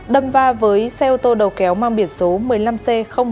đâm va với xe ô tô đầu kéo mang biển số một mươi năm c năm nghìn hai trăm hai mươi